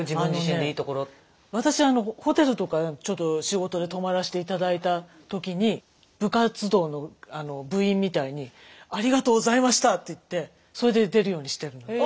私ホテルとかちょっと仕事で泊まらして頂いた時に部活動の部員みたいにありがとうございましたって言ってそれで出るようにしてるのよ。